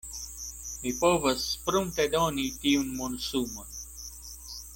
Mi povas pruntedoni tiun monsumon.